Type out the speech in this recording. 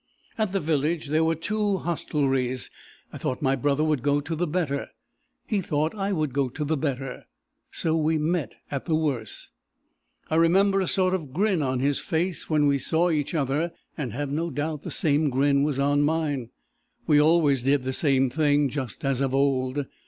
"At the village there were two hostelries. I thought my brother would go to the better; he thought I would go to the better; so we met at the worse! I remember a sort of grin on his face when we saw each other, and have no doubt the same grin was on mine. We always did the same thing, just as of old.